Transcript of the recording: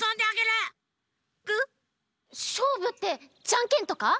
しょうぶってジャンケンとか？